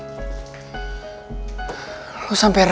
harusnya udah siap lagi nih